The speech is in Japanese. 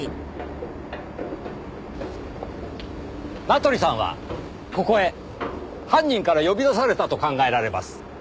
名取さんはここへ犯人から呼び出されたと考えられます。